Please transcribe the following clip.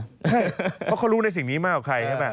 เพราะเขารู้ในสิ่งนี้มากกว่าใครใช่ไหม